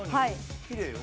きれいよ。